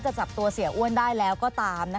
จะจับตัวเสียอ้วนได้แล้วก็ตาม